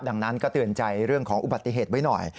ดังนั้นก็เตือนใจเรื่องของอุบัติเหตุไว้หน่อย